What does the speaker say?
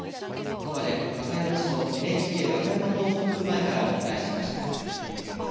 ここまで和歌山市のＮＨＫ和歌山放送局前からお伝えしました。